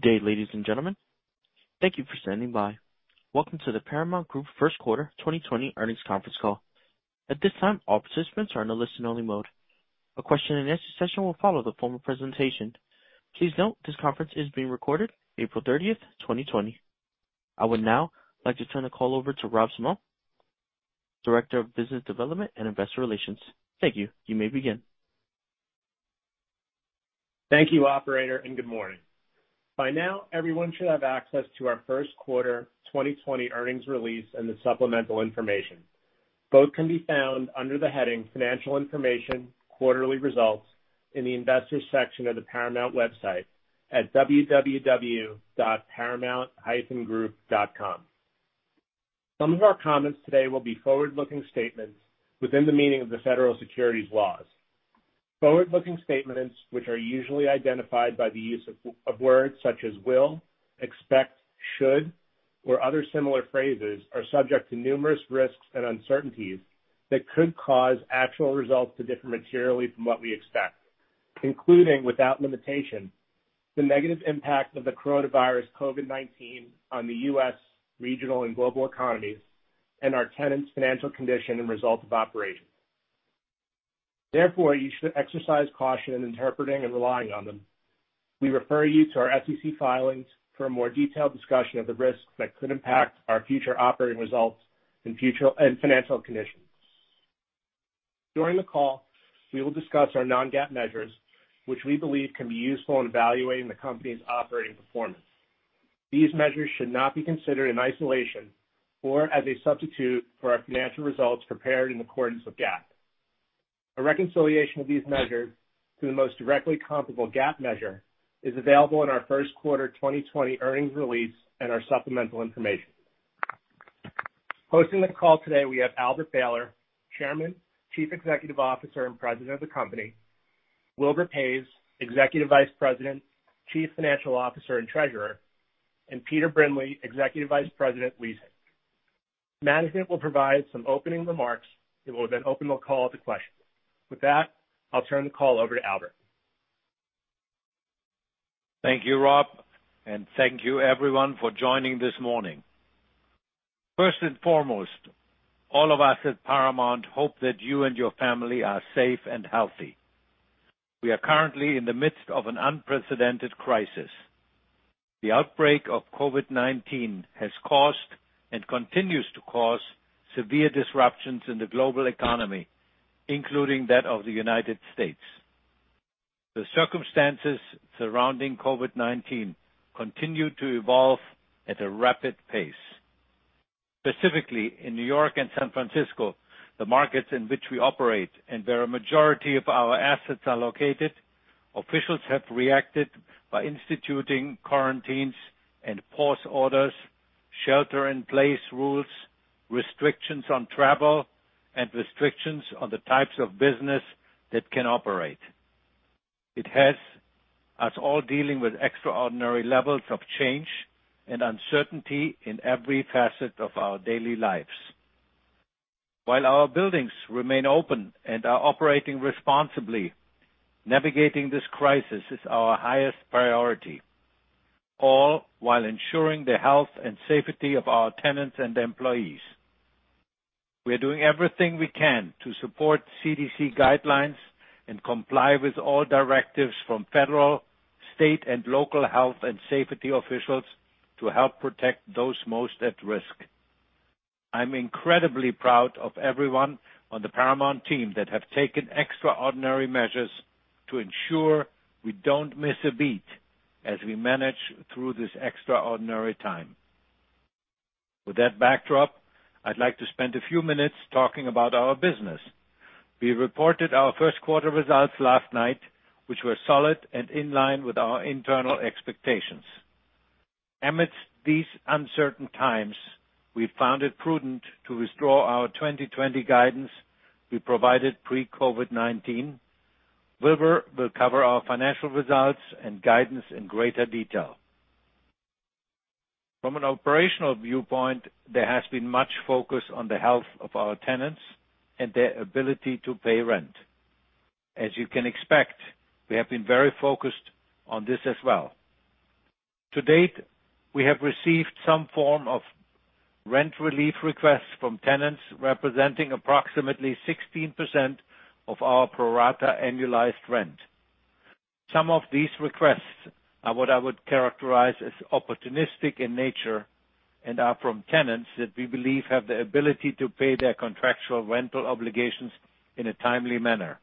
Good day, ladies and gentlemen. Thank you for standing by. Welcome to the Paramount Group First Quarter 2020 Earnings Conference Call. At this time, all participants are in a listen-only mode. A question and answer session will follow the formal presentation. Please note this conference is being recorded April 30th, 2020. I would now like to turn the call over to Rob Simone, Director of Business Development and Investor Relations. Thank you. You may begin. Thank you operator, and good morning. By now, everyone should have access to our first quarter 2020 earnings release and the supplemental information. Both can be found under the heading Financial Information Quarterly Results in the investors section of the Paramount website at www.paramount-group.com. Some of our comments today will be forward-looking statements within the meaning of the federal securities laws. Forward-looking statements, which are usually identified by the use of words such as will, expect, should, or other similar phrases, are subject to numerous risks and uncertainties that could cause actual results to differ materially from what we expect, including, without limitation, the negative impact of the coronavirus COVID-19 on the U.S. regional and global economies and our tenants' financial condition and results of operations. Therefore, you should exercise caution in interpreting and relying on them. We refer you to our SEC filings for a more detailed discussion of the risks that could impact our future operating results and financial conditions. During the call, we will discuss our non-GAAP measures, which we believe can be useful in evaluating the company's operating performance. These measures should not be considered in isolation or as a substitute for our financial results prepared in accordance with GAAP. A reconciliation of these measures to the most directly comparable GAAP measure is available in our first quarter 2020 earnings release and our supplemental information. Hosting the call today, we have Albert Behler, Chairman, Chief Executive Officer, and President of the company, Wilbur Paes, Executive Vice President, Chief Financial Officer, and Treasurer, and Peter Brindley, Executive Vice President, Leasing. Management will provide some opening remarks. We will open the call to questions. With that, I'll turn the call over to Albert. Thank you, Rob, and thank you everyone for joining this morning. First and foremost, all of us at Paramount hope that you and your family are safe and healthy. We are currently in the midst of an unprecedented crisis. The outbreak of COVID-19 has caused and continues to cause severe disruptions in the global economy, including that of the United States. The circumstances surrounding COVID-19 continue to evolve at a rapid pace. Specifically in New York and San Francisco, the markets in which we operate and where a majority of our assets are located, officials have reacted by instituting quarantines and pause orders, shelter in place rules, restrictions on travel, and restrictions on the types of business that can operate. It has us all dealing with extraordinary levels of change and uncertainty in every facet of our daily lives. While our buildings remain open and are operating responsibly, navigating this crisis is our highest priority, all while ensuring the health and safety of our tenants and employees. We are doing everything we can to support CDC guidelines and comply with all directives from federal, state, and local health and safety officials to help protect those most at risk. I'm incredibly proud of everyone on the Paramount team that have taken extraordinary measures to ensure we don't miss a beat as we manage through this extraordinary time. With that backdrop, I'd like to spend a few minutes talking about our business. We reported our first quarter results last night, which were solid and in line with our internal expectations. Amidst these uncertain times, we found it prudent to withdraw our 2020 guidance we provided pre-COVID-19. Wilbur will cover our financial results and guidance in greater detail. From an operational viewpoint, there has been much focus on the health of our tenants and their ability to pay rent. As you can expect, we have been very focused on this as well. To date, we have received some form of rent relief requests from tenants representing approximately 16% of our pro rata annualized rent. Some of these requests are what I would characterize as opportunistic in nature and are from tenants that we believe have the ability to pay their contractual rental obligations in a timely manner.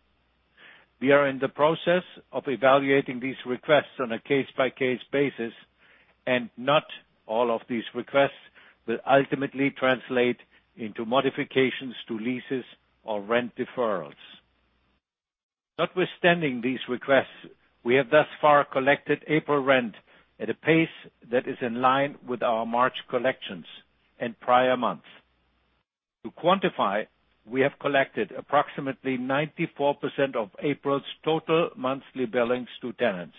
We are in the process of evaluating these requests on a case-by-case basis, and not all of these requests will ultimately translate into modifications to leases or rent deferrals. Notwithstanding these requests, we have thus far collected April rent at a pace that is in line with our March collections and prior months. To quantify, we have collected approximately 94% of April's total monthly billings to tenants.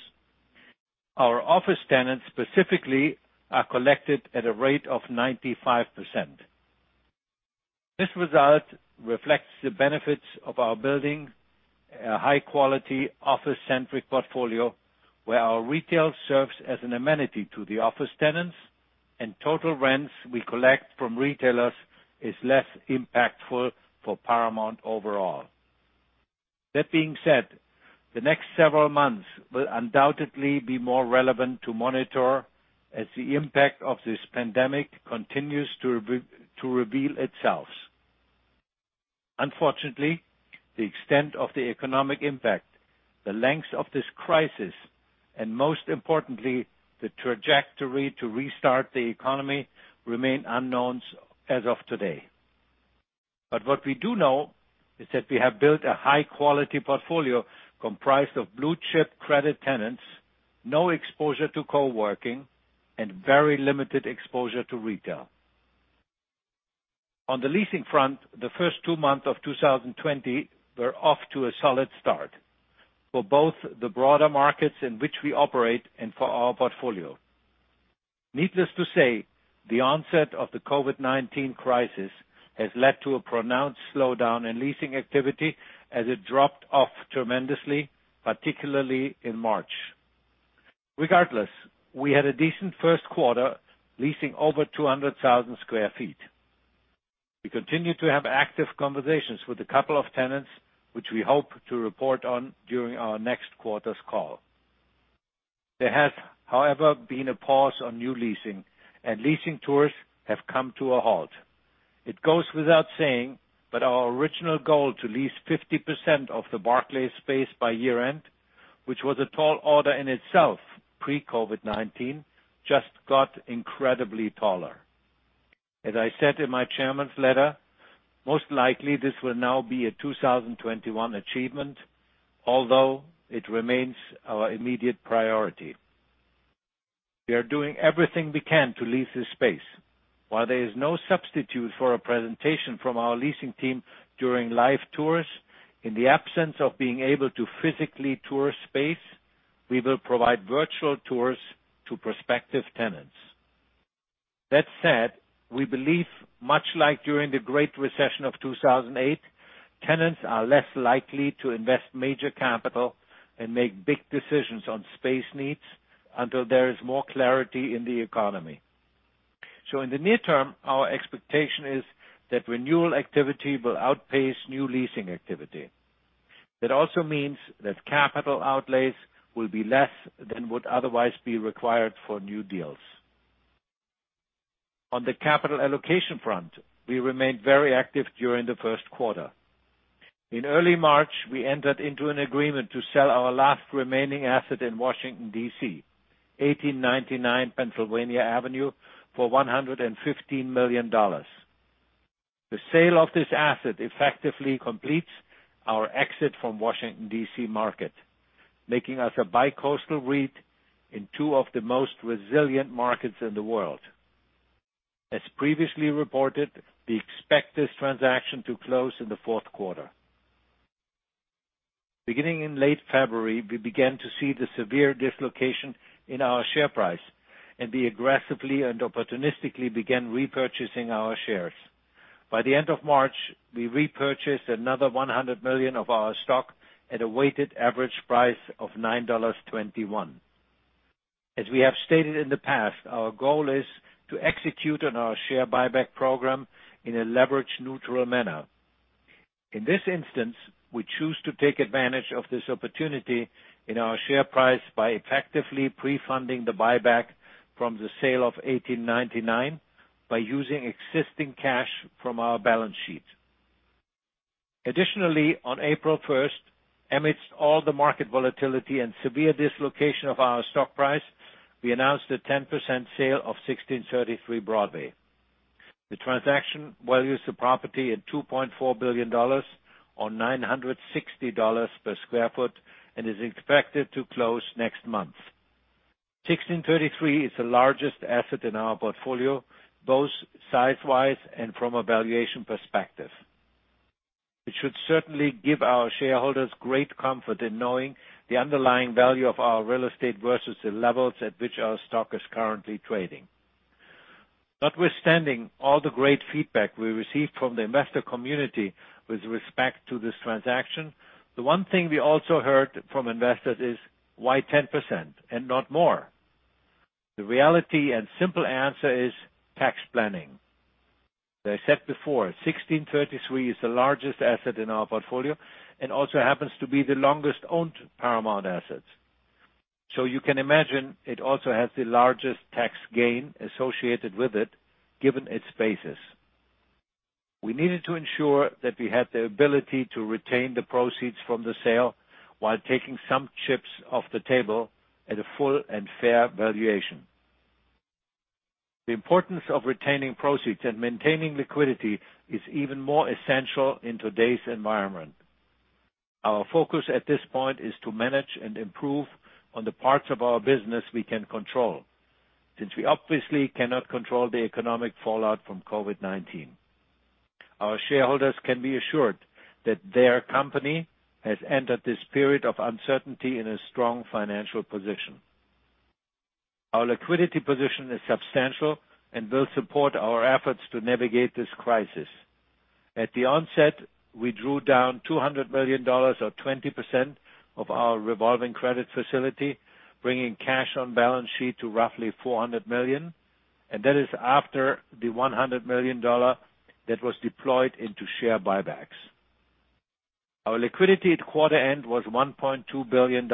Our office tenants specifically are collected at a rate of 95%. This result reflects the benefits of our building a high-quality, office-centric portfolio, where our retail serves as an amenity to the office tenants, and total rents we collect from retailers is less impactful for Paramount overall. That being said, the next several months will undoubtedly be more relevant to monitor as the impact of this pandemic continues to reveal itself. Unfortunately, the extent of the economic impact, the length of this crisis, and most importantly, the trajectory to restart the economy remain unknowns as of today. What we do know is that we have built a high-quality portfolio comprised of blue-chip credit tenants, no exposure to co-working, and very limited exposure to retail. On the leasing front, the first two months of 2020 were off to a solid start for both the broader markets in which we operate and for our portfolio. Needless to say, the onset of the COVID-19 crisis has led to a pronounced slowdown in leasing activity as it dropped off tremendously, particularly in March. We had a decent first quarter, leasing over 200,000 sq ft. We continue to have active conversations with a couple of tenants, which we hope to report on during our next quarter's call. There has, however, been a pause on new leasing, and leasing tours have come to a halt. It goes without saying, our original goal to lease 50% of the Barclays space by year-end, which was a tall order in itself pre-COVID-19, just got incredibly taller. As I said in my chairman's letter, most likely this will now be a 2021 achievement, although it remains our immediate priority. We are doing everything we can to lease this space. While there is no substitute for a presentation from our leasing team during live tours, in the absence of being able to physically tour space, we will provide virtual tours to prospective tenants. That said, we believe, much like during the Great Recession of 2008, tenants are less likely to invest major capital and make big decisions on space needs until there is more clarity in the economy. In the near term, our expectation is that renewal activity will outpace new leasing activity. That also means that capital outlays will be less than would otherwise be required for new deals. On the capital allocation front, we remained very active during the first quarter. In early March, we entered into an agreement to sell our last remaining asset in Washington, D.C., 1899 Pennsylvania Avenue, for $115 million. The sale of this asset effectively completes our exit from Washington, D.C. market, making us a bi-coastal REIT in two of the most resilient markets in the world. As previously reported, we expect this transaction to close in the fourth quarter. Beginning in late February, we began to see the severe dislocation in our share price, and we aggressively and opportunistically began repurchasing our shares. By the end of March, we repurchased another $100 million of our stock at a weighted average price of $9.21. As we have stated in the past, our goal is to execute on our share buyback program in a leverage-neutral manner. In this instance, we choose to take advantage of this opportunity in our share price by effectively pre-funding the buyback from the sale of 1899 by using existing cash from our balance sheet. Additionally, on April 1st, amidst all the market volatility and severe dislocation of our stock price, we announced a 10% sale of 1633 Broadway. The transaction values the property at $2.4 billion or $960 per sq ft and is expected to close next month. 1633 is the largest asset in our portfolio, both size-wise and from a valuation perspective, which should certainly give our shareholders great comfort in knowing the underlying value of our real estate versus the levels at which our stock is currently trading. Notwithstanding all the great feedback we received from the investor community with respect to this transaction, the one thing we also heard from investors is, "Why 10% and not more?" The reality and simple answer is tax planning. As I said before, 1633 is the largest asset in our portfolio and also happens to be the longest-owned Paramount asset. You can imagine it also has the largest tax gain associated with it, given its basis. We needed to ensure that we had the ability to retain the proceeds from the sale while taking some chips off the table at a full and fair valuation. The importance of retaining proceeds and maintaining liquidity is even more essential in today's environment. Our focus at this point is to manage and improve on the parts of our business we can control, since we obviously cannot control the economic fallout from COVID-19. Our shareholders can be assured that their company has entered this period of uncertainty in a strong financial position. Our liquidity position is substantial and will support our efforts to navigate this crisis. At the onset, we drew down $200 million, or 20% of our revolving credit facility, bringing cash on balance sheet to roughly $400 million, and that is after the $100 million that was deployed into share buybacks. Our liquidity at quarter end was $1.2 billion,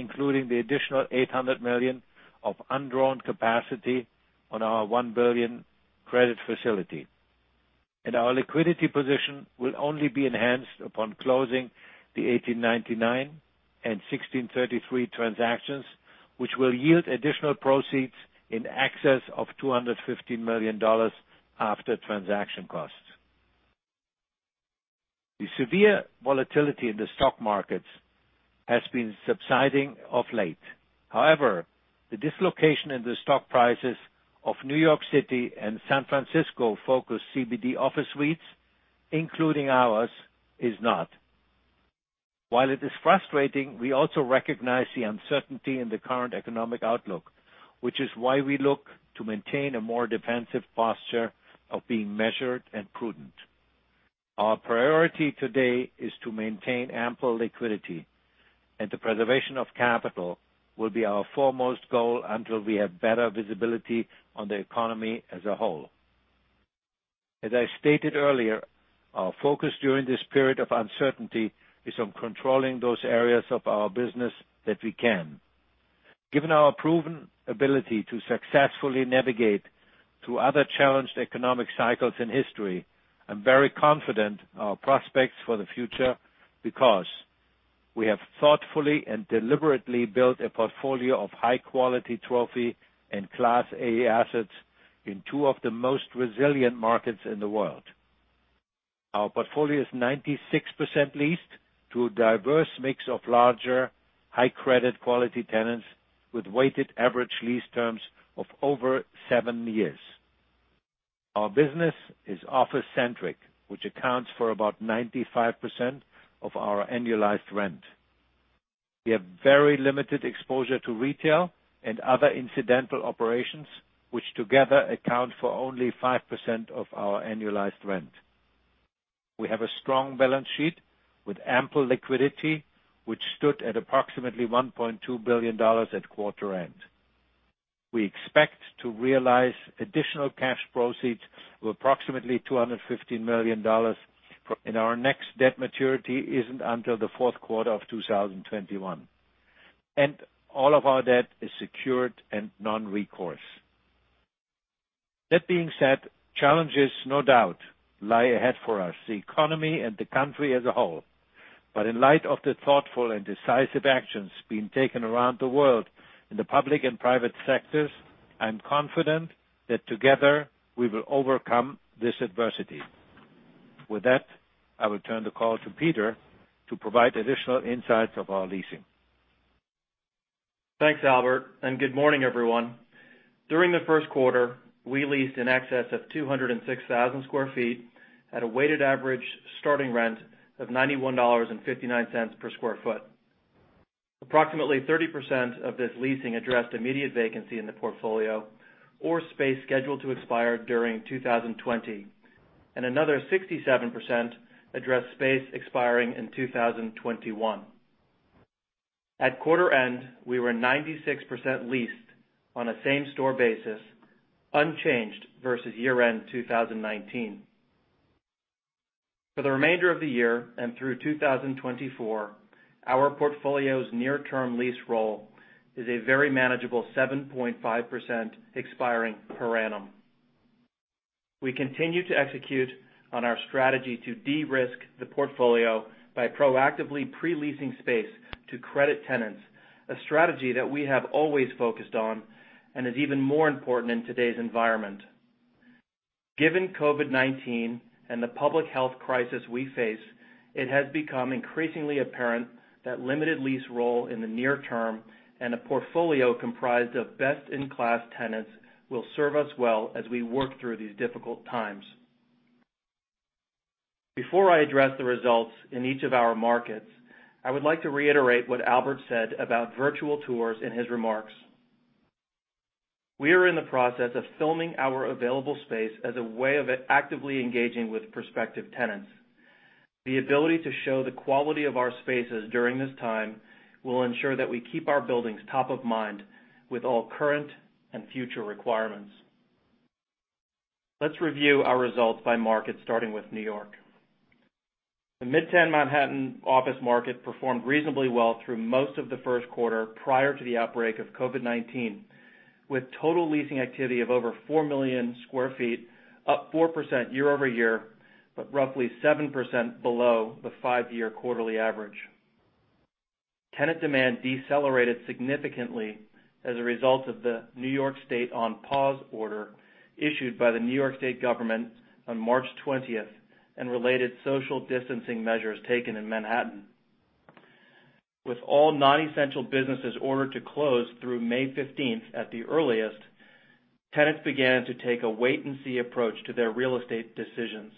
including the additional $800 million of undrawn capacity on our $1 billion credit facility. Our liquidity position will only be enhanced upon closing the 1899 and 1633 transactions, which will yield additional proceeds in excess of $250 million after transaction costs. The severe volatility in the stock markets has been subsiding of late. The dislocation in the stock prices of New York City and San Francisco-focused CBD office REITs, including ours, is not. While it is frustrating, we also recognize the uncertainty in the current economic outlook, which is why we look to maintain a more defensive posture of being measured and prudent. Our priority today is to maintain ample liquidity, and the preservation of capital will be our foremost goal until we have better visibility on the economy as a whole. As I stated earlier, our focus during this period of uncertainty is on controlling those areas of our business that we can. Given our proven ability to successfully navigate through other challenged economic cycles in history, I'm very confident in our prospects for the future because we have thoughtfully and deliberately built a portfolio of high-quality trophy and Class A assets in two of the most resilient markets in the world. Our portfolio is 96% leased to a diverse mix of larger, high credit quality tenants with weighted average lease terms of over seven years. Our business is office centric, which accounts for about 95% of our annualized rent. We have very limited exposure to retail and other incidental operations, which together account for only 5% of our annualized rent. We have a strong balance sheet with ample liquidity, which stood at approximately $1.2 billion at quarter end. We expect to realize additional cash proceeds of approximately $250 million. Our next debt maturity isn't until the fourth quarter of 2021. All of our debt is secured and non-recourse. That being said, challenges no doubt lie ahead for us, the economy and the country as a whole. In light of the thoughtful and decisive actions being taken around the world in the public and private sectors, I'm confident that together we will overcome this adversity. With that, I will turn the call to Peter to provide additional insights of our leasing. Thanks, Albert, and good morning, everyone. During the first quarter, we leased in excess of 206,000 sq ft at a weighted average starting rent of $91.59 per sq ft. Approximately 30% of this leasing addressed immediate vacancy in the portfolio or space scheduled to expire during 2020, and another 67% addressed space expiring in 2021. At quarter end, we were 96% leased on a same store basis, unchanged versus year end 2019. For the remainder of the year and through 2024, our portfolio's near-term lease roll is a very manageable 7.5% expiring per annum. We continue to execute on our strategy to de-risk the portfolio by proactively pre-leasing space to credit tenants, a strategy that we have always focused on and is even more important in today's environment. Given COVID-19 and the public health crisis we face, it has become increasingly apparent that limited lease roll in the near term and a portfolio comprised of best-in-class tenants will serve us well as we work through these difficult times. Before I address the results in each of our markets, I would like to reiterate what Albert said about virtual tours in his remarks. We are in the process of filming our available space as a way of actively engaging with prospective tenants. The ability to show the quality of our spaces during this time will ensure that we keep our buildings top of mind with all current and future requirements. Let's review our results by market, starting with New York. The Midtown Manhattan office market performed reasonably well through most of the first quarter prior to the outbreak of COVID-19, with total leasing activity of over 4 million sq ft, up 4% year-over-year, but roughly 7% below the five-year quarterly average. Tenant demand decelerated significantly as a result of the New York State on pause order issued by the New York State Government on March 20th and related social distancing measures taken in Manhattan. With all non-essential businesses ordered to close through May 15th at the earliest, tenants began to take a wait and see approach to their real estate decisions.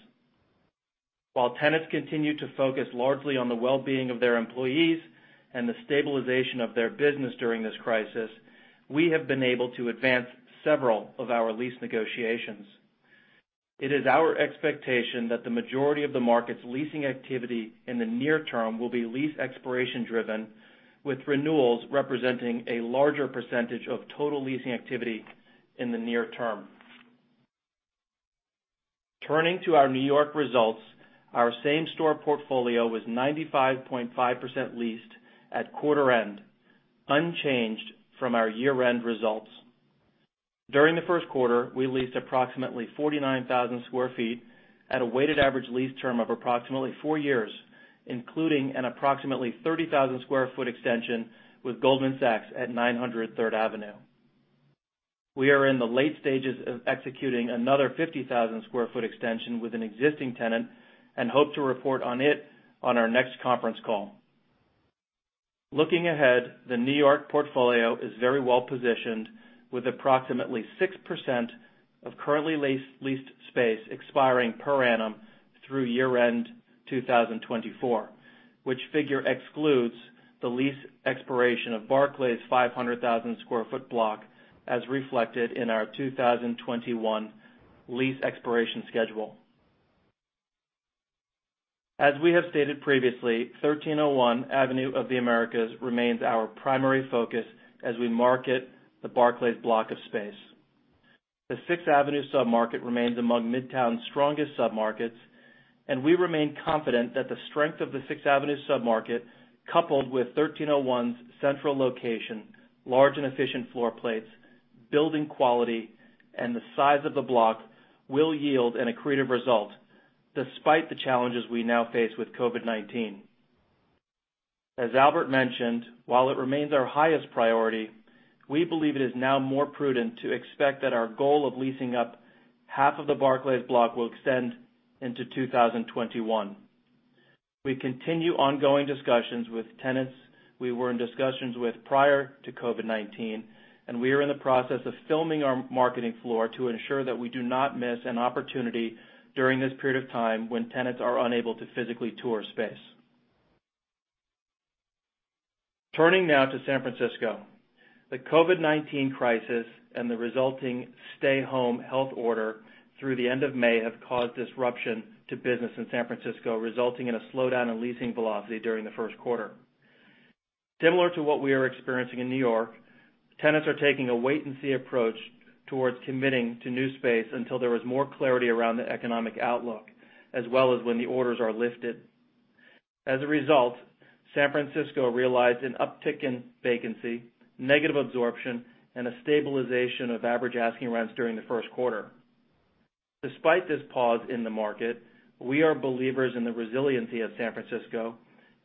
While tenants continue to focus largely on the wellbeing of their employees and the stabilization of their business during this crisis, we have been able to advance several of our lease negotiations. It is our expectation that the majority of the market's leasing activity in the near term will be lease expiration driven, with renewals representing a larger percentage of total leasing activity in the near term. Turning to our New York results, our same-store portfolio was 95.5% leased at quarter end, unchanged from our year-end results. During the first quarter, we leased approximately 49,000 sq ft at a weighted average lease term of approximately four years, including an approximately 30,000 sq ft extension with Goldman Sachs at 900 Third Avenue. We are in the late stages of executing another 50,000 square foot extension with an existing tenant, and hope to report on it on our next conference call. Looking ahead, the New York portfolio is very well positioned, with approximately 6% of currently leased space expiring per annum through year-end 2024. Which figure excludes the lease expiration of Barclays' 500,000 sq ft block, as reflected in our 2021 lease expiration schedule. As we have stated previously, 1301 Avenue of the Americas remains our primary focus as we market the Barclays block of space. The Sixth Avenue Submarket remains among Midtown's strongest submarkets, and we remain confident that the strength of the Sixth Avenue Submarket, coupled with 1301's central location, large and efficient floor plates, building quality, and the size of the block will yield an accretive result, despite the challenges we now face with COVID-19. As Albert mentioned, while it remains our highest priority, we believe it is now more prudent to expect that our goal of leasing up half of the Barclays block will extend into 2021. We continue ongoing discussions with tenants we were in discussions with prior to COVID-19. We are in the process of filming our marketing floor to ensure that we do not miss an opportunity during this period of time when tenants are unable to physically tour space. Turning now to San Francisco. The COVID-19 crisis and the resulting stay home health order through the end of May have caused disruption to business in San Francisco, resulting in a slowdown in leasing velocity during the first quarter. Similar to what we are experiencing in New York, tenants are taking a wait and see approach towards committing to new space until there is more clarity around the economic outlook, as well as when the orders are lifted. As a result, San Francisco realized an uptick in vacancy, negative absorption, and a stabilization of average asking rents during the first quarter. Despite this pause in the market, we are believers in the resiliency of San Francisco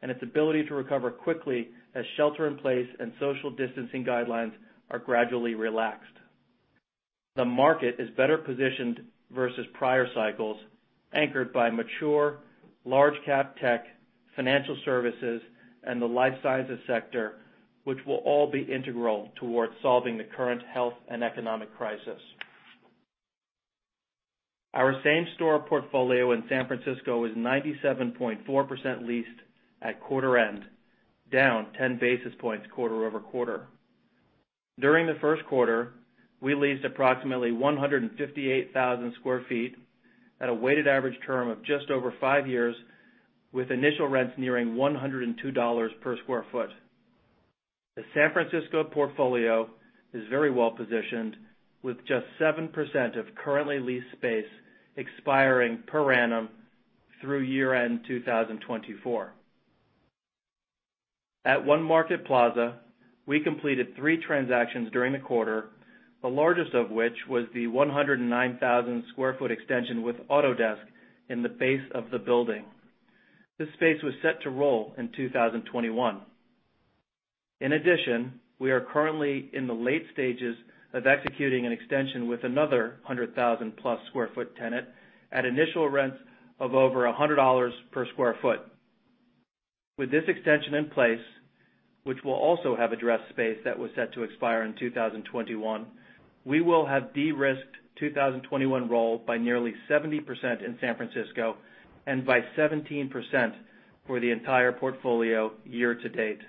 and its ability to recover quickly as shelter in place and social distancing guidelines are gradually relaxed. The market is better positioned versus prior cycles, anchored by mature, large cap tech, financial services, and the life sciences sector, which will all be integral towards solving the current health and economic crisis. Our same-store portfolio in San Francisco is 97.4% leased at quarter end, down 10 basis points quarter-over-quarter. During the first quarter, we leased approximately 158,000 sq ft at a weighted average term of just over five years, with initial rents nearing $102 per sq ft. The San Francisco portfolio is very well positioned, with just 7% of currently leased space expiring per annum through year-end 2024. At One Market Plaza, we completed three transactions during the quarter, the largest of which was the 109,000 sq ft extension with Autodesk in the base of the building. This space was set to roll in 2021. In addition, we are currently in the late stages of executing an extension with another 100,000+ sq ft tenant at initial rents of over $100 per sq ft. With this extension in place, which will also have address space that was set to expire in 2021, we will have de-risked 2021 roll by nearly 70% in San Francisco and by 17% for the entire portfolio year to date.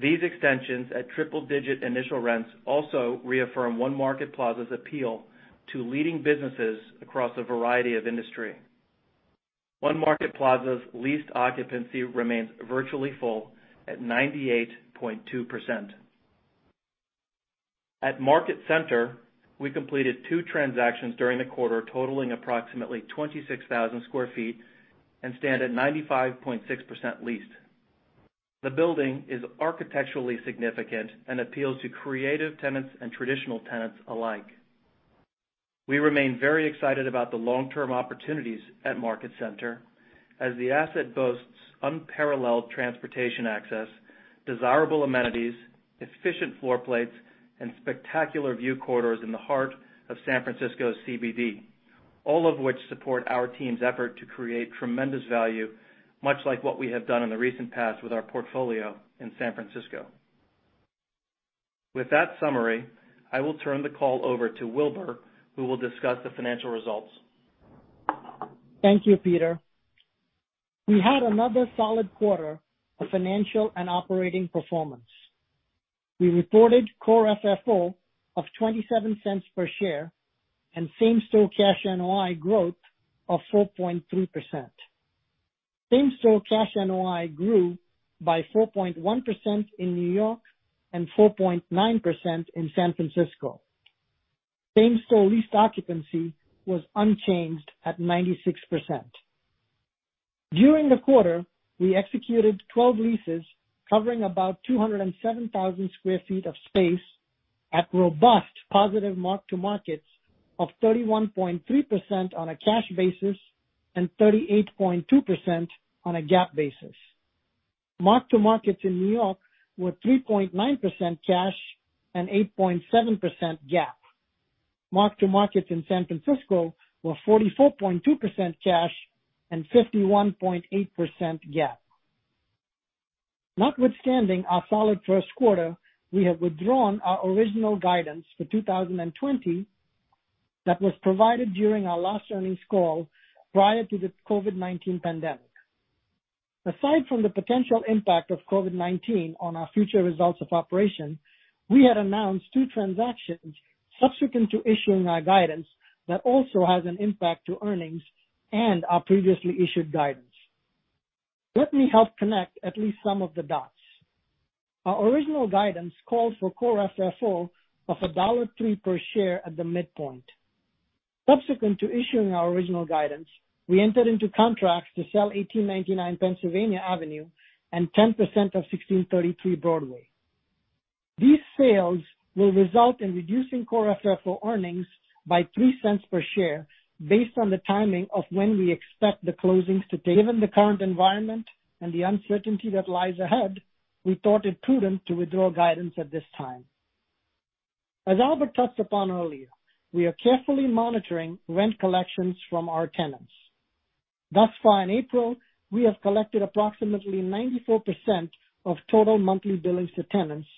These extensions at triple digit initial rents also reaffirm One Market Plaza's appeal to leading businesses across a variety of industry. One Market Plaza's leased occupancy remains virtually full at 98.2%. At Market Center, we completed two transactions during the quarter, totaling approximately 26,000 sq ft, and stand at 95.6% leased. The building is architecturally significant and appeals to creative tenants and traditional tenants alike. We remain very excited about the long-term opportunities at Market Center as the asset boasts unparalleled transportation access, desirable amenities, efficient floor plates, and spectacular view corridors in the heart of San Francisco's CBD. All of which support our team's effort to create tremendous value, much like what we have done in the recent past with our portfolio in San Francisco. With that summary, I will turn the call over to Wilbur, who will discuss the financial results. Thank you, Peter. We had another solid quarter of financial and operating performance. We reported Core FFO of $0.27 per share and same-store cash NOI growth of 4.3%. Same-store cash NOI grew by 4.1% in New York and 4.9% in San Francisco. Same-store lease occupancy was unchanged at 96%. During the quarter, we executed 12 leases covering about 207,000 square feet of space at robust positive mark-to-markets of 31.3% on a cash basis and 38.2% on a GAAP basis. Mark-to-markets in New York were 3.9% cash and 8.7% GAAP. Mark-to-markets in San Francisco were 44.2% cash and 51.8% GAAP. Notwithstanding our solid first quarter, we have withdrawn our original guidance for 2020 that was provided during our last earnings call prior to the COVID-19 pandemic. Aside from the potential impact of COVID-19 on our future results of operation, we had announced two transactions subsequent to issuing our guidance that also has an impact to earnings and our previously issued guidance. Let me help connect at least some of the dots. Our original guidance called for core FFO of $1.03 per share at the midpoint. Subsequent to issuing our original guidance, we entered into contracts to sell 1899 Pennsylvania Avenue and 10% of 1633 Broadway. These sales will result in reducing core FFO earnings by $0.03 per share based on the timing of when we expect the closings to date. Given the current environment and the uncertainty that lies ahead, we thought it prudent to withdraw guidance at this time. As Albert touched upon earlier, we are carefully monitoring rent collections from our tenants. Thus far in April, we have collected approximately 94% of total monthly billings to tenants,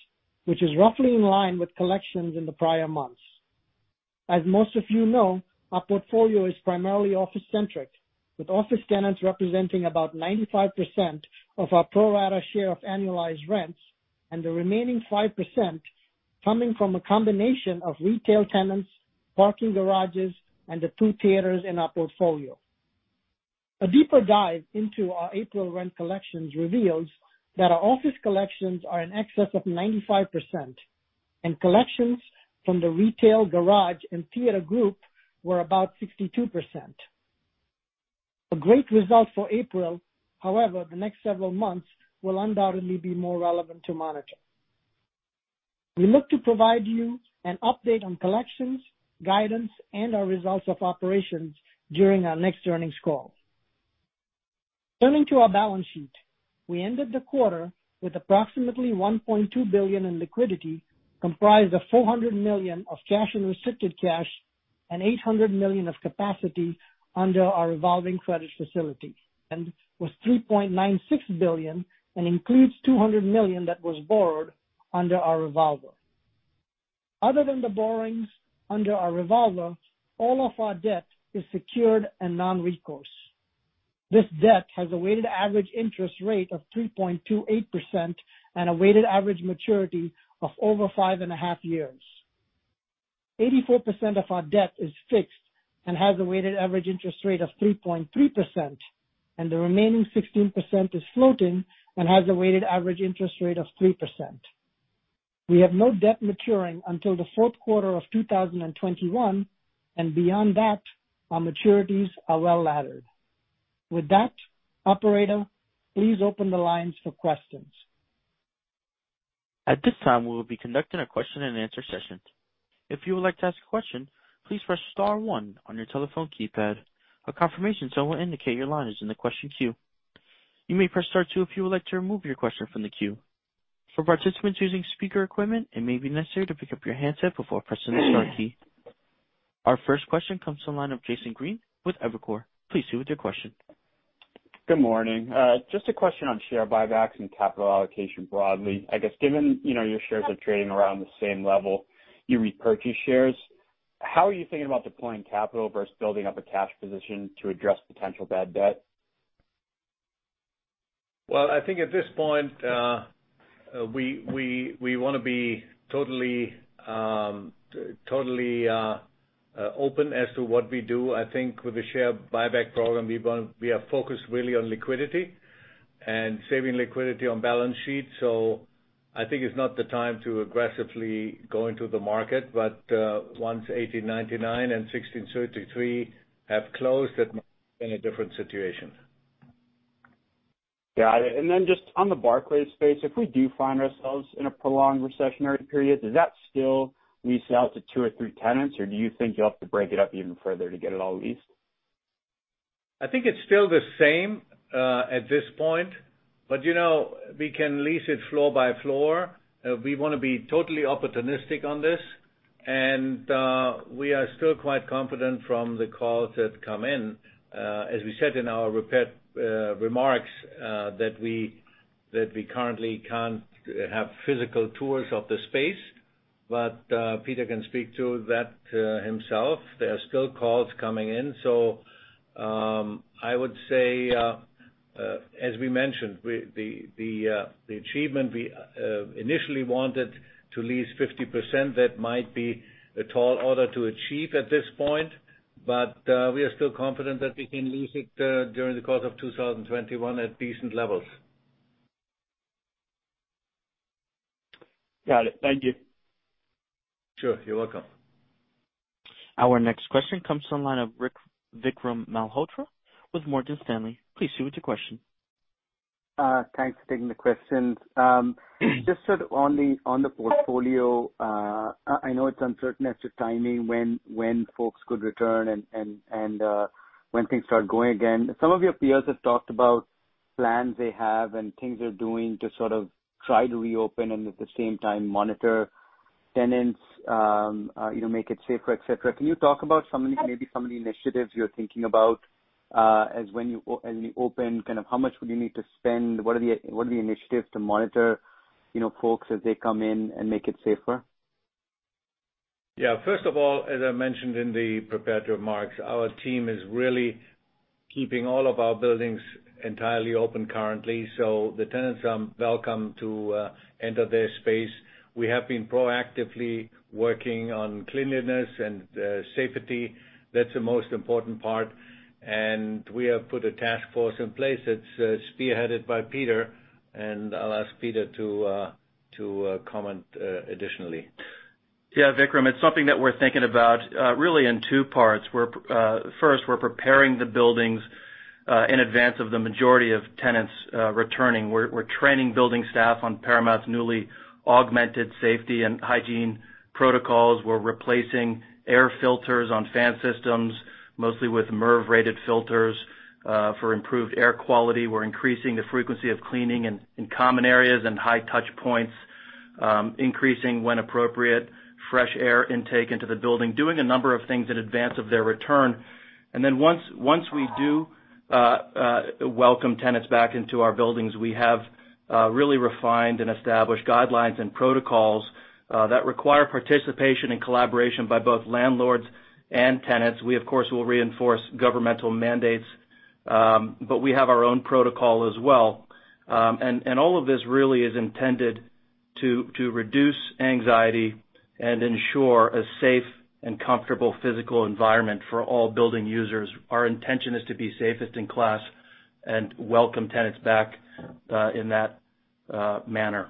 which is roughly in line with collections in the prior months. As most of you know, our portfolio is primarily office-centric, with office tenants representing about 95% of our pro rata share of annualized rents and the remaining 5% coming from a combination of retail tenants, parking garages, and the two theaters in our portfolio. A deeper dive into our April rent collections reveals that our office collections are in excess of 95%, and collections from the retail garage and theater group were about 62%. A great result for April. However, the next several months will undoubtedly be more relevant to monitor. We look to provide you an update on collections, guidance, and our results of operations during our next earnings call. Turning to our balance sheet, we ended the quarter with approximately $1.2 billion in liquidity, comprised of $400 million of cash and restricted cash and $800 million of capacity under our revolving credit facility. Was $3.96 billion and includes $200 million that was borrowed under our revolver. Other than the borrowings under our revolver, all of our debt is secured and non-recourse. This debt has a weighted average interest rate of 3.28% and a weighted average maturity of over five and a half years. 84% of our debt is fixed and has a weighted average interest rate of 3.3%, and the remaining 16% is floating and has a weighted average interest rate of 3%. We have no debt maturing until the fourth quarter of 2021, and beyond that, our maturities are well-laddered. With that, operator, please open the lines for questions. At this time, we will be conducting a question and answer session. If you would like to ask a question, please press star one on your telephone keypad. A confirmation tone will indicate your line is in the question queue. You may press star two if you would like to remove your question from the queue. For participants using speaker equipment, it may be necessary to pick up your handset before pressing the star key. Our first question comes to the line of Jason Green with Evercore. Please proceed with your question. Good morning. Just a question on share buybacks and capital allocation broadly. I guess, given your shares are trading around the same level you repurchase shares, how are you thinking about deploying capital versus building up a cash position to address potential bad debt? Well, I think at this point, we want to be totally open as to what we do. I think with the share buyback program, we are focused really on liquidity and saving liquidity on balance sheet. I think it's not the time to aggressively go into the market. Once 1899 and 1633 have closed, that might be a different situation. Got it. Just on the Barclays space, if we do find ourselves in a prolonged recessionary period, does that still lease out to two or three tenants, or do you think you'll have to break it up even further to get it all leased? I think it's still the same at this point. We can lease it floor by floor. We want to be totally opportunistic on this. We are still quite confident from the calls that come in, as we said in our prepared remarks, that we currently can't have physical tours of the space. Peter can speak to that himself. There are still calls coming in. I would say, as we mentioned, the achievement we initially wanted to lease 50%, that might be a tall order to achieve at this point, but we are still confident that we can lease it during the course of 2021 at decent levels. Got it. Thank you. Sure. You're welcome. Our next question comes to the line of Vikram Malhotra with Morgan Stanley. Please proceed with your question. Thanks for taking the questions. Just sort of on the portfolio, I know it's uncertain as to timing when folks could return and when things start going again. Some of your peers have talked about plans they have and things they're doing to sort of try to reopen and at the same time monitor tenants, make it safer, et cetera. Can you talk about maybe some of the initiatives you're thinking about as you open, kind of how much would you need to spend? What are the initiatives to monitor folks as they come in and make it safer? First of all, as I mentioned in the prepared remarks, our team is really keeping all of our buildings entirely open currently, so the tenants are welcome to enter their space. We have been proactively working on cleanliness and safety. That's the most important part. We have put a task force in place that's spearheaded by Peter. I'll ask Peter to comment additionally. Yeah, Vikram, it's something that we're thinking about really in two parts. First, we're preparing the buildings in advance of the majority of tenants returning. We're training building staff on Paramount's newly augmented safety and hygiene protocols. We're replacing air filters on fan systems, mostly with MERV-rated filters, for improved air quality. We're increasing the frequency of cleaning in common areas and high touch points. Increasing, when appropriate, fresh air intake into the building. Doing a number of things in advance of their return. Once we do welcome tenants back into our buildings, we have really refined and established guidelines and protocols that require participation and collaboration by both landlords and tenants. We of course, will reinforce governmental mandates. We have our own protocol as well. All of this really is intended to reduce anxiety and ensure a safe and comfortable physical environment for all building users. Our intention is to be safest in class and welcome tenants back in that manner.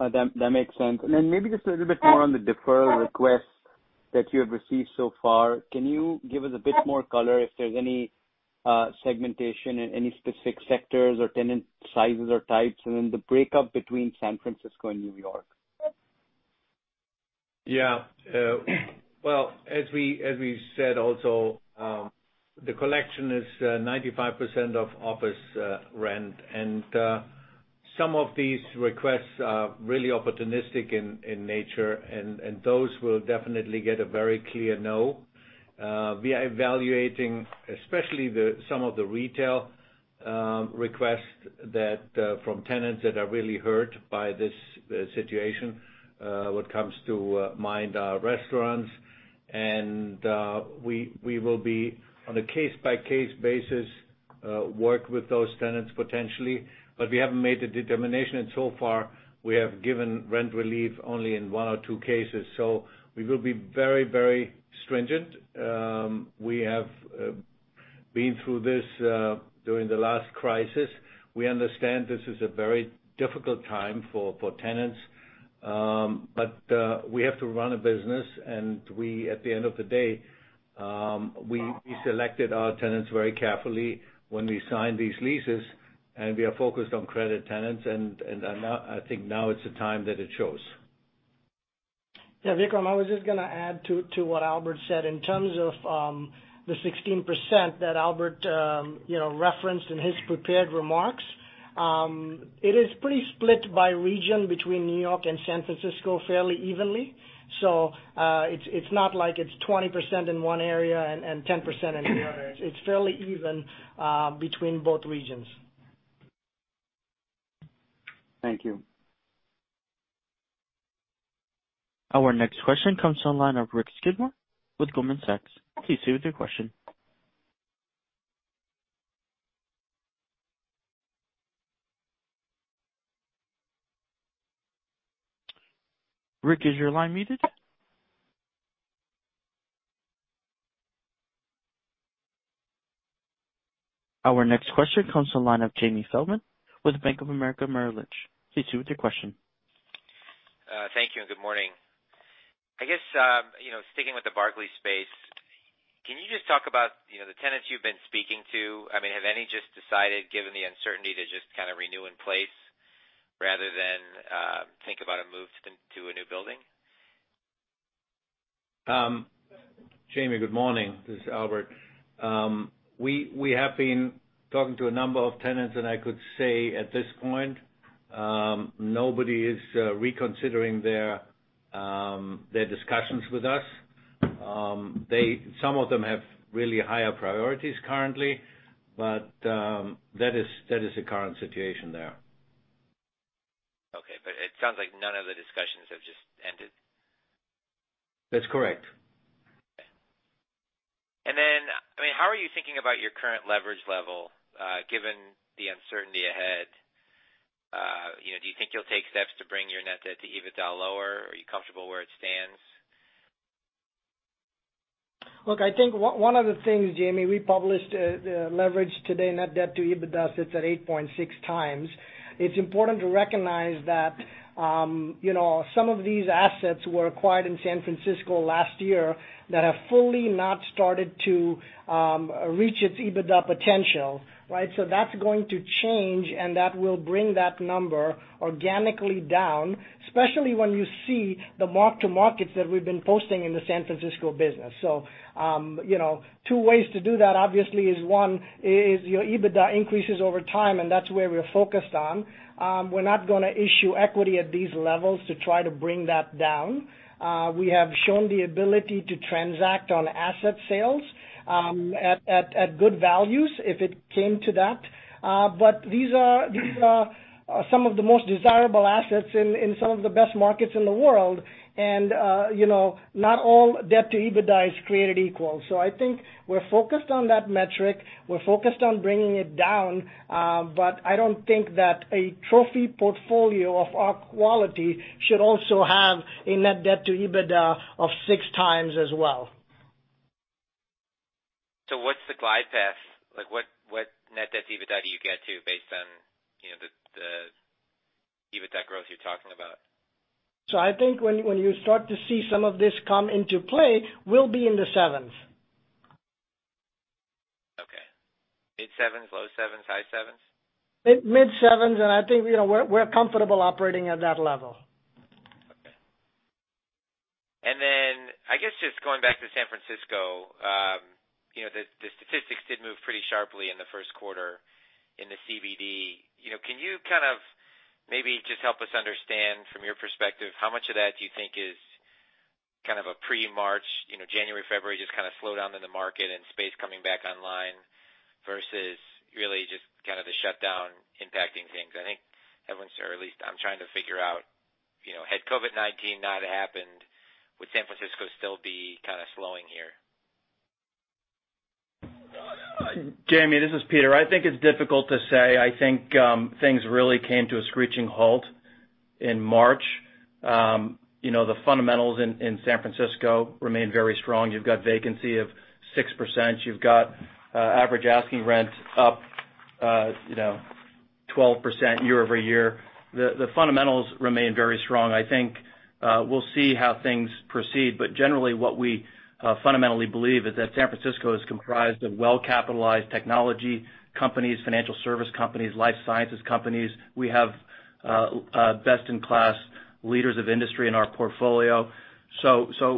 That makes sense. Maybe just a little bit more on the deferral requests that you have received so far. Can you give us a bit more color if there's any segmentation in any specific sectors or tenant sizes or types, and the breakup between San Francisco and New York? Yeah. Well, as we said also, the collection is 95% of office rent, and some of these requests are really opportunistic in nature, and those will definitely get a very clear no. We are evaluating, especially some of the retail requests from tenants that are really hurt by this situation, what comes to mind are restaurants, and we will be, on a case-by-case basis, work with those tenants potentially. We haven't made the determination, and so far, we have given rent relief only in one or two cases. We will be very stringent. We have been through this during the last crisis. We understand this is a very difficult time for tenants. We have to run a business, and at the end of the day, we selected our tenants very carefully when we signed these leases, and we are focused on credit tenants, and I think now is the time that it shows. Yeah, Vikram, I was just going to add to what Albert said. In terms of the 16% that Albert referenced in his prepared remarks, it is pretty split by region between New York and San Francisco fairly evenly. It's not like it's 20% in one area and 10% in the other area. It's fairly even between both regions. Thank you. Our next question comes to the line of Rich Skidmore with Goldman Sachs. Please proceed with your question. Rich, is your line muted? Our next question comes to the line of Jamie Feldman with Bank of America Merrill Lynch. Please proceed with your question. Thank you and good morning. I guess, sticking with the Barclays space, can you just talk about the tenants you've been speaking to? Have any just decided, given the uncertainty, to just kind of renew in place rather than think about a move to a new building? Jamie, good morning. This is Albert. We have been talking to a number of tenants, and I could say at this point, nobody is reconsidering their discussions with us. Some of them have really higher priorities currently, but that is the current situation there. Okay. It sounds like none of the discussions have just ended. That's correct. How are you thinking about your current leverage level, given the uncertainty ahead? Do you think you'll take steps to bring your net debt to EBITDA lower? Are you comfortable where it stands? Look, I think one of the things, Jamie, we published leverage today, net debt to EBITDA sits at 8.6x. It's important to recognize that some of these assets were acquired in San Francisco last year that have fully not started to reach its EBITDA potential, right? That's going to change, and that will bring that number organically down, especially when you see the mark-to-markets that we've been posting in the San Francisco business. Two ways to do that, obviously, is one, is your EBITDA increases over time, and that's where we're focused on. We're not going to issue equity at these levels to try to bring that down. We have shown the ability to transact on asset sales at good values if it came to that. These are some of the most desirable assets in some of the best markets in the world, and not all debt to EBITDA is created equal. I think we're focused on that metric. We're focused on bringing it down. I don't think that a trophy portfolio of our quality should also have a net debt to EBITDA of 6x as well. What's the glide path? What net debt to EBITDA do you get to based on the EBITDA growth you're talking about? I think when you start to see some of this come into play, we'll be in the sevens. Okay. Mid sevens? Low sevens? High sevens? Mid sevens, and I think we're comfortable operating at that level. I guess just going back to San Francisco. The statistics did move pretty sharply in the first quarter in the CBD. Can you kind of maybe just help us understand from your perspective, how much of that do you think is kind of a pre-March, January, February, just kind of slowdown in the market and space coming back online versus really just kind of the shutdown impacting things? I think everyone's, or at least I'm trying to figure out, had COVID-19 not happened, would San Francisco still be kind of slowing here? Jamie, this is Peter. I think it's difficult to say. I think things really came to a screeching halt in March. The fundamentals in San Francisco remain very strong. You've got vacancy of 6%. You've got average asking rent up 12% year-over-year. The fundamentals remain very strong. I think we'll see how things proceed, but generally what we fundamentally believe is that San Francisco is comprised of well-capitalized technology companies, financial service companies, life sciences companies. We have best-in-class leaders of industry in our portfolio.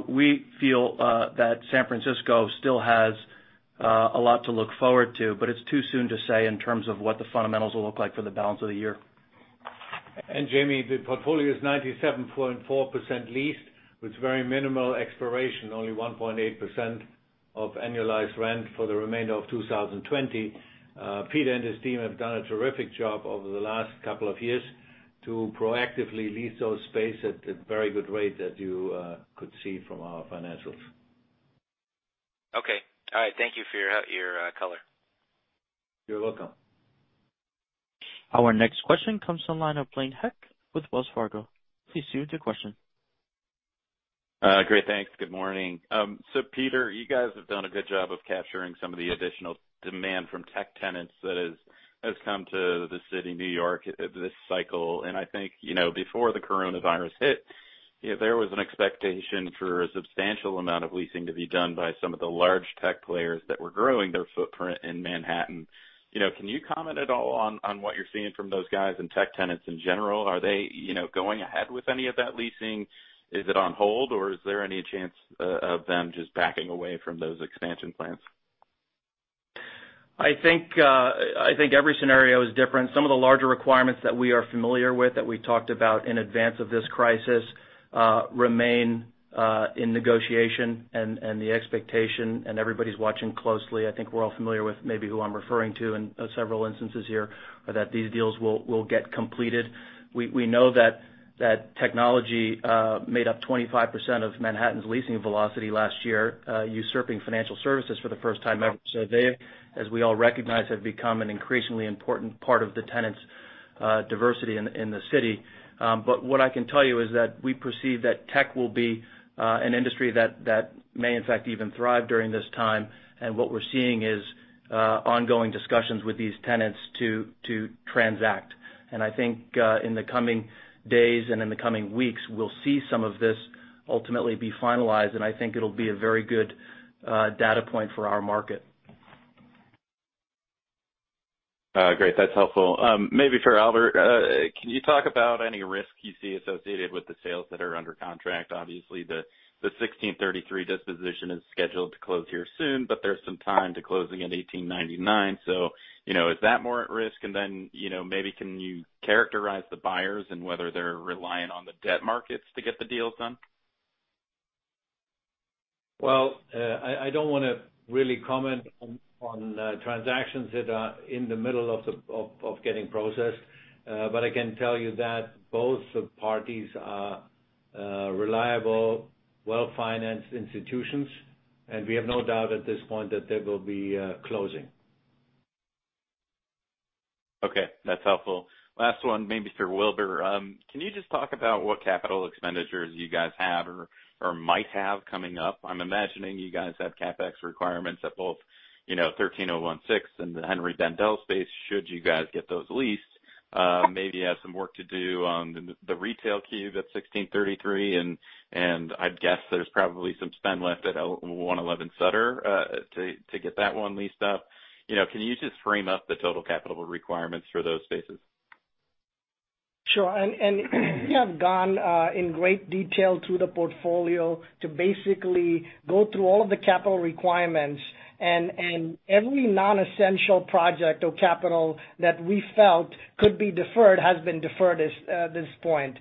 We feel that San Francisco still has a lot to look forward to, but it's too soon to say in terms of what the fundamentals will look like for the balance of the year. Jamie, the portfolio is 97.4% leased with very minimal expiration, only 1.8% of annualized rent for the remainder of 2020. Peter and his team have done a terrific job over the last couple of years to proactively lease those space at the very good rate that you could see from our financials. Okay. All right. Thank you for your color. You're welcome. Our next question comes on line of Blaine Heck with Wells Fargo. Please proceed with your question. Great. Thanks. Good morning. Peter, you guys have done a good job of capturing some of the additional demand from tech tenants that has come to the city, New York, this cycle. I think before the coronavirus hit, there was an expectation for a substantial amount of leasing to be done by some of the large tech players that were growing their footprint in Manhattan. Can you comment at all on what you're seeing from those guys and tech tenants in general? Are they going ahead with any of that leasing? Is it on hold, or is there any chance of them just backing away from those expansion plans? I think every scenario is different. Some of the larger requirements that we are familiar with, that we talked about in advance of this crisis, remain in negotiation and the expectation, and everybody's watching closely. I think we're all familiar with maybe who I'm referring to in several instances here, that these deals will get completed. We know that technology made up 25% of Manhattan's leasing velocity last year, usurping financial services for the first time ever. They, as we all recognize, have become an increasingly important part of the tenants' diversity in the city. What I can tell you is that we perceive that tech will be an industry that may in fact even thrive during this time. What we're seeing is ongoing discussions with these tenants to transact. I think in the coming days and in the coming weeks, we'll see some of this ultimately be finalized, and I think it'll be a very good data point for our market. Great, that's helpful. Maybe for Albert. Can you talk about any risk you see associated with the sales that are under contract? Obviously, the 1633 disposition is scheduled to close here soon, there's some time to closing in 1899. Is that more at risk? Maybe can you characterize the buyers and whether they're reliant on the debt markets to get the deals done? Well, I don't want to really comment on transactions that are in the middle of getting processed. I can tell you that both parties are reliable, well-financed institutions, and we have no doubt at this point that they will be closing. Okay, that's helpful. Last one, maybe for Wilbur. Can you just talk about what capital expenditures you guys have or might have coming up? I'm imagining you guys have CapEx requirements at both 1301 Sixth and the Henri Bendel space, should you guys get those leased. Maybe you have some work to do on the retail cube at 1633, and I'd guess there's probably some spend left at 111 Sutter to get that one leased up. Can you just frame up the total capital requirements for those spaces? Sure. We have gone in great detail through the portfolio to basically go through all of the capital requirements. Every non-essential project or capital that we felt could be deferred has been deferred at this point.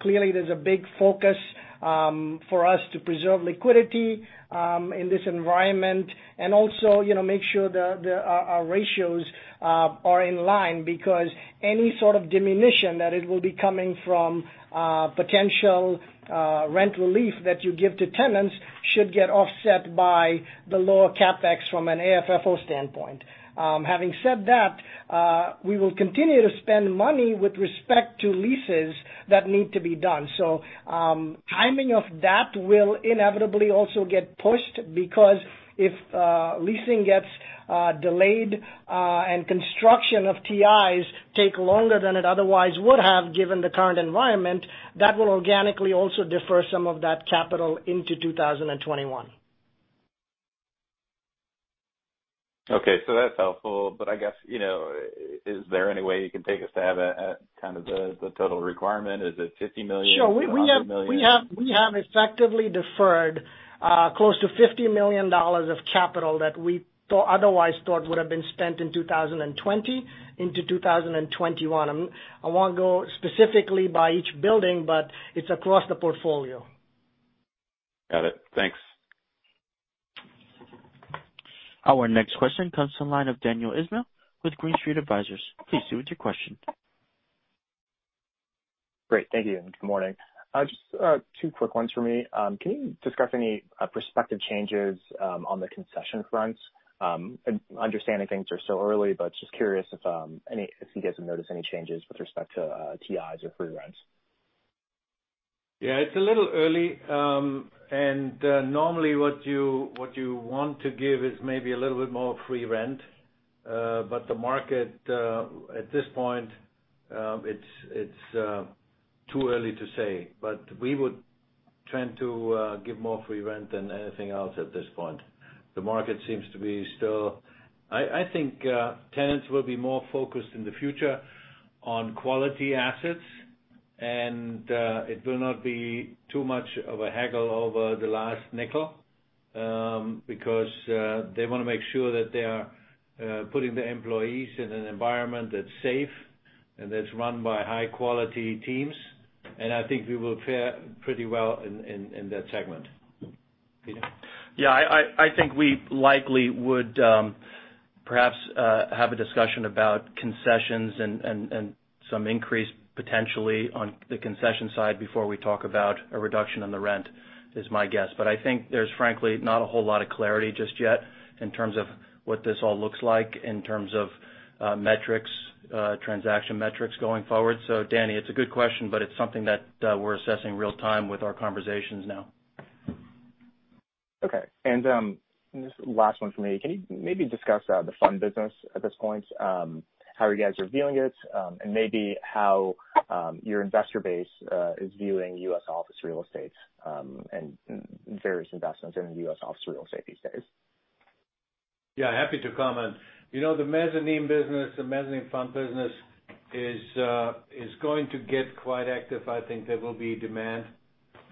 Clearly, there's a big focus for us to preserve liquidity in this environment, and also make sure that our ratios are in line because any sort of diminution that it will be coming from potential rent relief that you give to tenants should get offset by the lower CapEx from an AFFO standpoint. Having said that, we will continue to spend money with respect to leases that need to be done. Timing of that will inevitably also get pushed because if leasing gets delayed and construction of TIs take longer than it otherwise would have, given the current environment, that will organically also defer some of that capital into 2021. That's helpful. I guess, is there any way you can take us to have the total requirement? Is it $50 million? Sure $100 million? We have effectively deferred close to $50 million of capital that we otherwise thought would have been spent in 2020 into 2021. I won't go specifically by each building, but it's across the portfolio. Got it. Thanks. Our next question comes from the line of Daniel Ismail with Green Street Advisors. Please proceed with your question. Great. Thank you. Good morning. Just two quick ones for me. Can you discuss any prospective changes on the concession front? Understanding things are still early, just curious if you guys have noticed any changes with respect to TIs or free rents. Yeah, it's a little early. Normally what you want to give is maybe a little bit more free rent. The market at this point, it's too early to say. We would tend to give more free rent than anything else at this point. The market seems to be I think tenants will be more focused in the future on quality assets, and it will not be too much of a haggle over the last nickel, because they want to make sure that they are putting their employees in an environment that's safe and that's run by high-quality teams. I think we will fare pretty well in that segment. Peter? Yeah. I think we likely would perhaps have a discussion about concessions and some increase potentially on the concession side before we talk about a reduction in the rent, is my guess. I think there's frankly not a whole lot of clarity just yet in terms of what this all looks like in terms of transaction metrics going forward. Dani, it's a good question, but it's something that we're assessing real time with our conversations now. Okay. This is the last one from me. Can you maybe discuss the fund business at this point? How you guys are viewing it, and maybe how your investor base is viewing U.S. office real estate, and various investments in U.S. office real estate these days. Yeah, happy to comment. The mezzanine fund business is going to get quite active. I think there will be demand.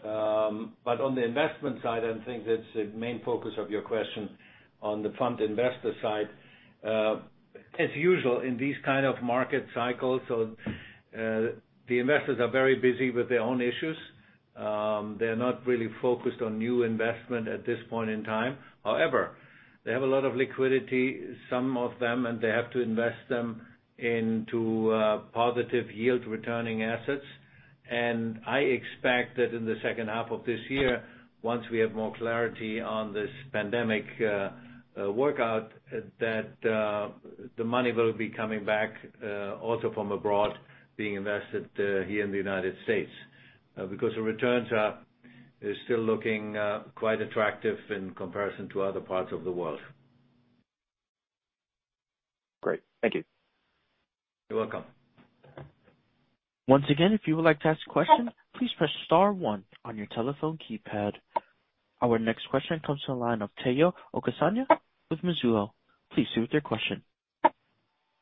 On the investment side, I think that's the main focus of your question on the fund investor side. As usual, in these kind of market cycles, the investors are very busy with their own issues. They're not really focused on new investment at this point in time. They have a lot of liquidity, some of them, and they have to invest them into positive yield returning assets. I expect that in the second half of this year, once we have more clarity on this pandemic workout, that the money will be coming back, also from abroad, being invested here in the United States. The returns are still looking quite attractive in comparison to other parts of the world. Great. Thank you. You're welcome. Once again, if you would like to ask a question, please press star one on your telephone keypad. Our next question comes from the line of Tayo Okusanya with Mizuho. Please proceed with your question.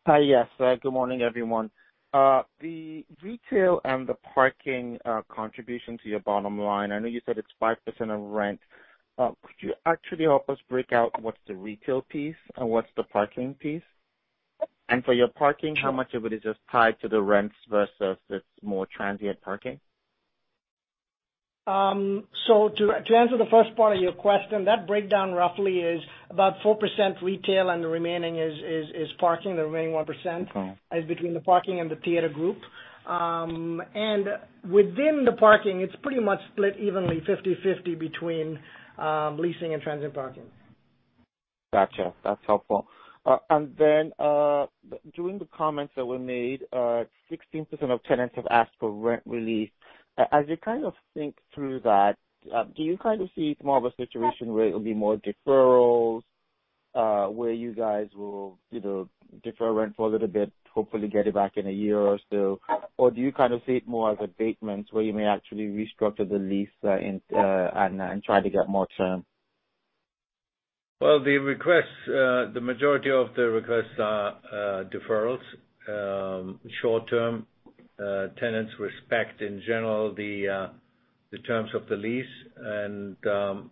Hi. Yes. Good morning, everyone. The retail and the parking contribution to your bottom line, I know you said it's 5% of rent. Could you actually help us break out what's the retail piece and what's the parking piece? For your parking, how much of it is just tied to the rents versus this more transient parking? To answer the first part of your question, that breakdown roughly is about 4% retail and the remaining is parking. The remaining 1%- Okay. It is between the parking and the theater group. Within the parking, it's pretty much split evenly 50/50 between leasing and transient parking. Got you. That's helpful. During the comments that were made, 16% of tenants have asked for rent relief. As you kind of think through that, do you kind of see it more of a situation where it will be more deferrals, where you guys will defer rent for a little bit, hopefully get it back in a year or so? Or do you kind of see it more as abatements where you may actually restructure the lease and try to get more term? Well, the majority of the requests are deferrals, short-term. Tenants respect, in general, the terms of the lease.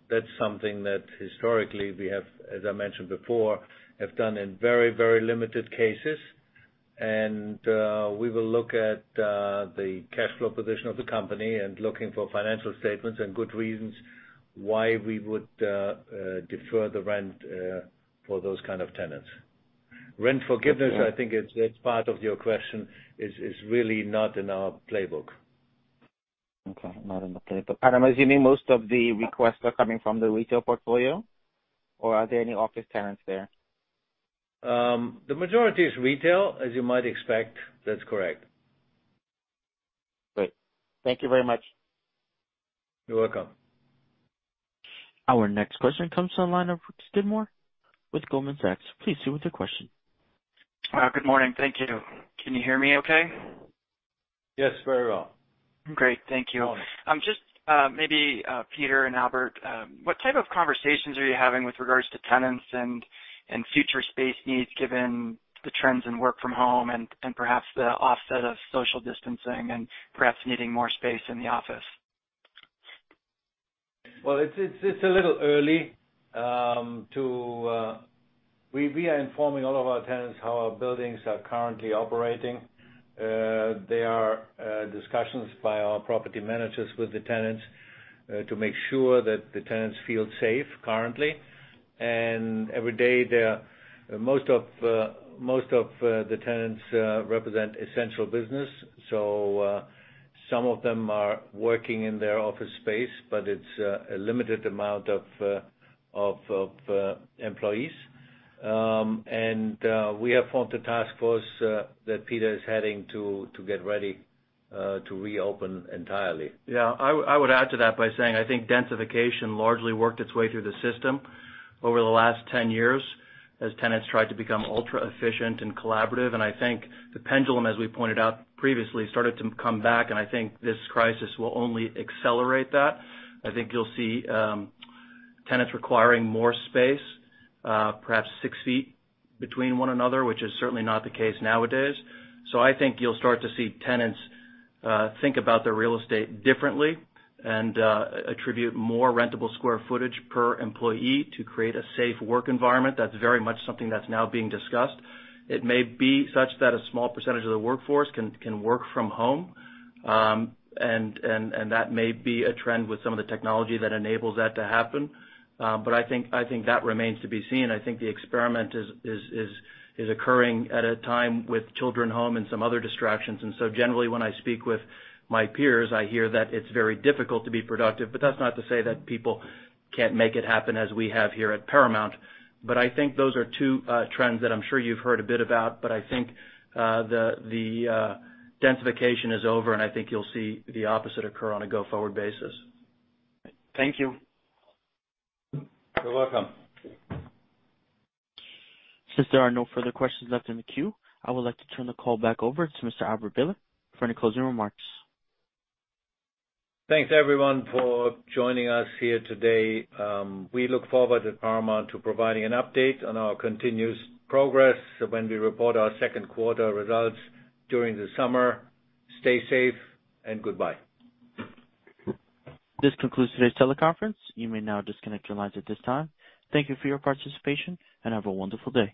That's something that historically we have, as I mentioned before, done in very limited cases. We will look at the cash flow position of the company and looking for financial statements and good reasons why we would defer the rent for those kind of tenants. Rent forgiveness, I think it's part of your question, is really not in our playbook. Okay. Not in the playbook. I'm assuming most of the requests are coming from the retail portfolio, or are there any office tenants there? The majority is retail, as you might expect. That's correct. Great. Thank you very much. You're welcome. Our next question comes from the line of Rich Skidmore with Goldman Sachs. Please proceed with your question. Good morning. Thank you. Can you hear me okay? Yes, very well. Great. Thank you. Just maybe, Peter and Albert, what type of conversations are you having with regards to tenants and future space needs given the trends in work from home and perhaps the offset of social distancing and perhaps needing more space in the office? Well, it's a little early. We are informing all of our tenants how our buildings are currently operating. There are discussions by our property managers with the tenants to make sure that the tenants feel safe currently. Every day, most of the tenants represent essential business. Some of them are working in their office space, but it's a limited amount of employees. We have formed a task force that Peter is heading to get ready to reopen entirely. Yeah. I would add to that by saying I think densification largely worked its way through the system over the last 10 years as tenants tried to become ultra-efficient and collaborative. I think the pendulum, as we pointed out previously, started to come back, and I think this crisis will only accelerate that. I think you'll see tenants requiring more space, perhaps six feet between one another, which is certainly not the case nowadays. I think you'll start to see tenants think about their real estate differently and attribute more rentable square footage per employee to create a safe work environment. That's very much something that's now being discussed. It may be such that a small percentage of the workforce can work from home. That may be a trend with some of the technology that enables that to happen. I think that remains to be seen. I think the experiment is occurring at a time with children home and some other distractions. Generally, when I speak with my peers, I hear that it's very difficult to be productive, but that's not to say that people can't make it happen as we have here at Paramount. I think those are two trends that I'm sure you've heard a bit about, but I think the densification is over, and I think you'll see the opposite occur on a go-forward basis. Thank you. You're welcome. Since there are no further questions left in the queue, I would like to turn the call back over to Mr. Albert Behler for any closing remarks. Thanks, everyone, for joining us here today. We look forward at Paramount to providing an update on our continuous progress when we report our second quarter results during the summer. Stay safe and goodbye. This concludes today's teleconference. You may now disconnect your lines at this time. Thank you for your participation, and have a wonderful day.